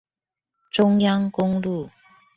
中央公路